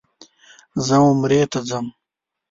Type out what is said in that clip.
زه عمرې ته ځم.